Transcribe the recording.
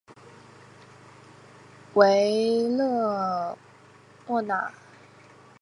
维勒讷沃的总面积为平方公里。